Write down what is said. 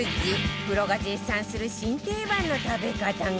プロが絶賛する新定番の食べ方が